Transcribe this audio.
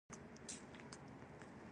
هغه د پوځ د رسم ګذشت ننداره کوله.